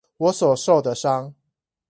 我所受的傷